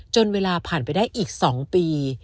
เวลาผ่านไปได้อีก๒ปี